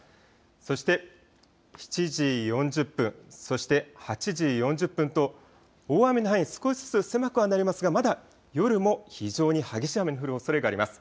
そして７時４０分、そして８時４０分と大雨の範囲少しずつ狭くはなりますが、まだ夜も非常に激しい雨の降るおそれがあります。